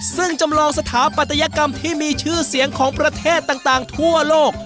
ซึ่งจำลองสถาปัตยกรรมที่มีชื่อเสียงของประเทศต่างทั่วโลก